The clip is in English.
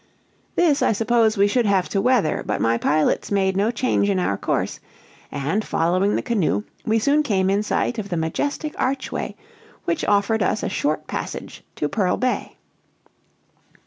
This I suppose we should have to weather, but my pilots made no change in our course, and, following the canoe, we soon came in sight of the majestic archway which offered us a short passage to Pearl Bay.